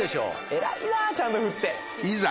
偉いなちゃんと振っていざ